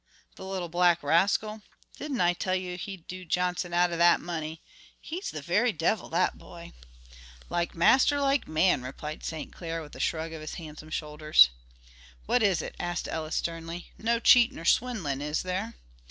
the little black rascal. Didn't I tell you he'd do Johnson out of that money? He's the very devil, that boy." "Like master, like man," replied St. Clair, with a shrug of his handsome shoulders. "What is it?" asked Ellis sternly; "no cheating or swindling, is there?"